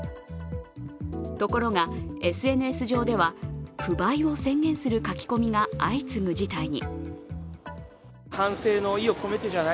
ところがＳＮＳ上では不買を宣言する書き込みが相次ぐ事態に。